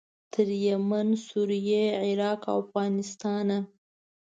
تر یمن، سوریې، عراق او افغانستانه.